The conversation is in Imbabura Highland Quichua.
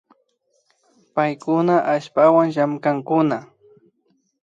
Paykuna allpawan llankankuna